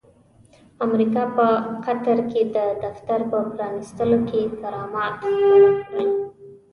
امريکا په قطر کې د دفتر په پرانستلو کې کرامات ښکاره کړل.